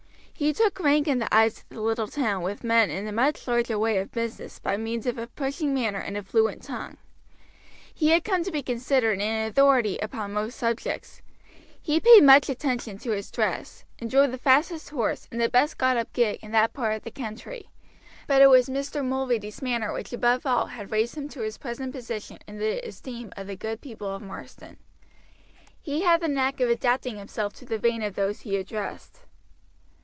He took rank in the eyes of the little town with men in a much larger way of business by means of a pushing manner and a fluent tongue. He had come to be considered an authority upon most subjects. He paid much attention to his dress, and drove the fastest horse and the best got up gig in that part of the country; but it was Mr. Mulready's manner which above all had raised him to his present position in the esteem of the good people of Marsden. He had the knack of adapting himself to the vein of those he addressed.